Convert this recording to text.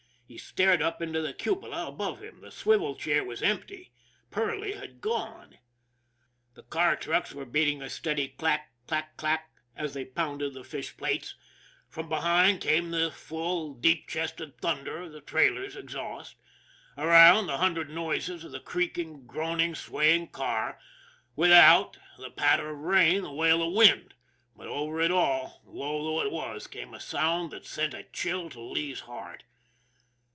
He stared up into the cupola above him. The swivel chair was empty Perley had gone! The car trucks were beating a steady clack, clack clack, as they pounded the fishplates; from behind came the full, deep chested thunder of the trailer's ex THE MAN WHO DIDN'T COUNT 253 haust; around, the hundred noises of the creaking, groaning, swaying car; without, the patter of rain, the wail of the wind. But over it all, low though it was, came a sound that sent a chill to Lee's heart.